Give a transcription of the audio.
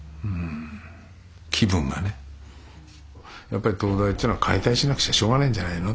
やっぱり東大というのは解体しなくちゃしょうがないんじゃないの？